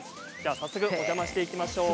早速お邪魔していきましょう。